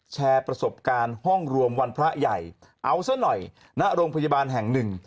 แชร์ประสบการณ์ห้องรวมวันพระใหญ่เอาซะหน่อยณโรงพยาบาลแห่งหนึ่ง